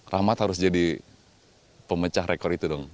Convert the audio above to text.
rahmat harus jadi pemecah rekor itu dong